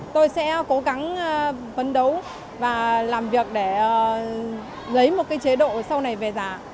tôi sẽ cố gắng vấn đấu và làm việc để lấy một chế độ sau này về giả